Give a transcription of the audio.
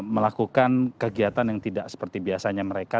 melakukan kegiatan yang tidak seperti biasanya mereka